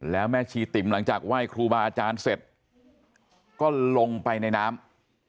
แล้วแม่ชีติ๋มหลังจากไหว้ครูบาอาจารย์เสร็จก็ลงไปในน้ำ